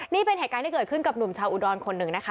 นี่เป็นเหตุการณ์ที่เกิดขึ้นกับหนุ่มชาวอุดรคนหนึ่งนะคะ